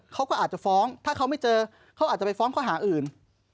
เขาก็อาจจะฟ้องถ้าเขาไม่เจอเขาอาจจะไปฟ้องข้อหาอื่น